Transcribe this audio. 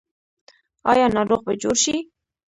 آیا ناروغ به جوړ شي؟